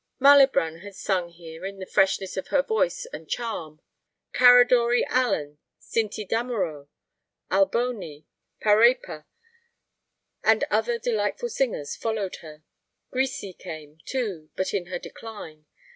Malibran had sung here in the freshness of her voice and charm; Caradori Allan, Cinti Damoreau, Alboni, Parepa, and other delightful singers followed her. Grisi came, too, but in her decline.